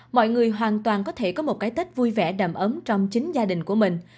mọi người hoàn toàn có thể có một cái tết vui vẻ đầm ấm trong chính gia đình